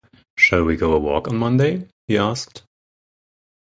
“Shall we go a walk on Monday?” he asked.